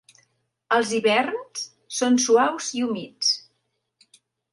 Els hiverns són suaus i humits.